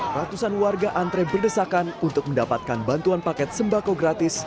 ratusan warga antre berdesakan untuk mendapatkan bantuan paket sembako gratis